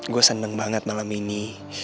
gue senang banget malam ini